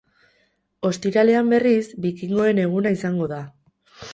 Ostiralean, berriz, bikingoen eguna izango da.